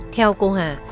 theo cô hà